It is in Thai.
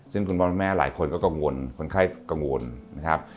ซึ่งคุณพ่อคุณแม่หลายคนก็กังวลคนไข้กังวลนะครับ